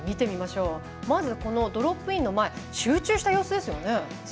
まず、このドロップインの前、集中した様子ですよね。